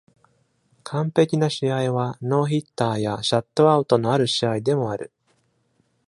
完璧な試合は、ノーヒッターやシャウトアウトのある試合でもある。